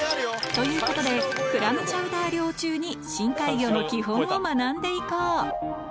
ということで、クラムチャウダー漁中に深海魚の基本を学んでいこう。